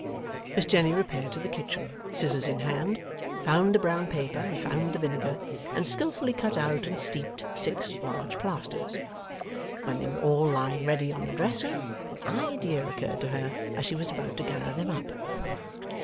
Miss Jenny repaired to the kitchen, scissors in hand, found the brown paper and found the vinegar, and skilfully cut out and steeped six large plasters. When they were all lying ready on the dresser, an idea occurred to her as she was about to gather them up.